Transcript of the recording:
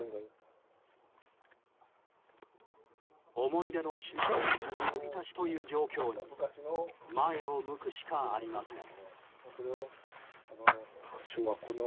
思い出の品も水浸しという状況に前を向くしかありません。